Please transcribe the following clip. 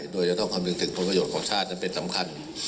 โดยจะต้องคำนึงถึงผลประโยชน์ของชาตินั้นเป็นสำคัญ